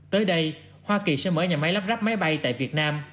tới đây hoa kỳ sẽ mở nhà máy lắp ráp máy bay tại việt nam